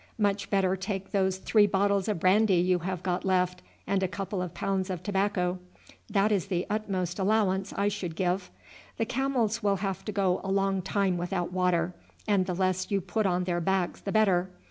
Much better take those three bottles of brandy you have got left and a couple of pounds of tobacco. That is the utmost allowance I should give. The camels will have to go a long time without water, and the less you put on their backs the better.